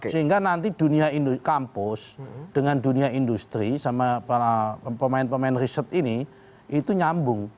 sehingga nanti dunia kampus dengan dunia industri sama pemain pemain riset ini itu nyambung